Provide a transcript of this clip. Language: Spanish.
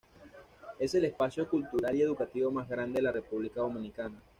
Es el espacio cultural y educativo más grande de la República Dominicana.